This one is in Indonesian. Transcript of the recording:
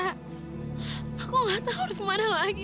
aku gak tahu harus kemana lagi